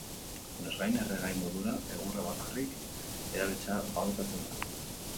Honez gain, erregai modura egurra bakarrik erabiltzea aholkatzen da.